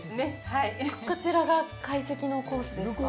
こちらが会席のコースですか？